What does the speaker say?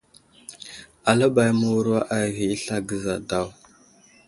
Aləɓay məwuro aghi asla gəza daw.